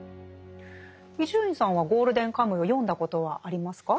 伊集院さんは「ゴールデンカムイ」を読んだことはありますか？